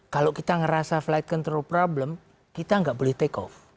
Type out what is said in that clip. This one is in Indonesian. kalau kita ngerasa flight control problem kita nggak boleh take off